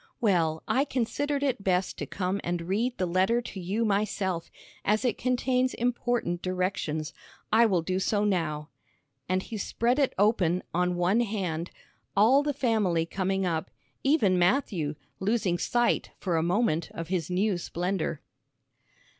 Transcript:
"Well, I considered it best to come and read the letter to you myself, as it contains important directions. I will do so now," and he spread it open on one hand, all the family coming up, even Matthew, losing sight for a moment of his new splendor.